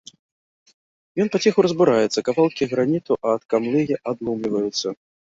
Ён паціху разбураецца, кавалкі граніту ад камлыгі адломліваюцца.